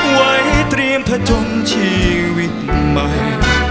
ไว้เตรียมผจญชีวิตใหม่